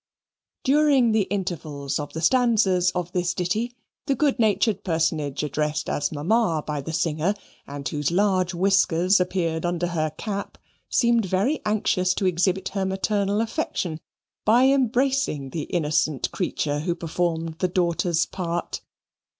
During the intervals of the stanzas of this ditty, the good natured personage addressed as Mamma by the singer, and whose large whiskers appeared under her cap, seemed very anxious to exhibit her maternal affection by embracing the innocent creature who performed the daughter's part.